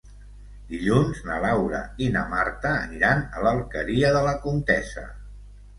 Dilluns na Laura i na Marta aniran a l'Alqueria de la Comtessa.